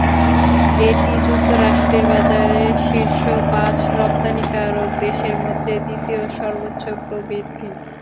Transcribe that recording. এটি যুক্তরাষ্ট্রের বাজারে শীর্ষ পাঁচ রপ্তানিকারক দেশের মধ্যে দ্বিতীয় সর্বোচ্চ প্রবৃদ্ধি।